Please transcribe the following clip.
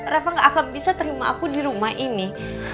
reva gak akan bisa terima aku di rumah ini